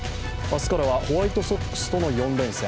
明日からはホワイトソックスとの４連戦。